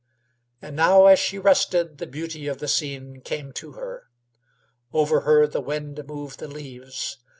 And now, as she rested, the beauty of the scene came to her. Over her the wind moved the leaves.